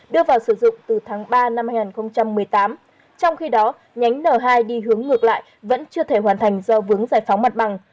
đưa vào sử dụng từ tháng ba năm hai nghìn một mươi tám trong khi đó nhánh n hai đi hướng ngược lại vẫn chưa thể hoàn thành do vướng giải phóng mặt bằng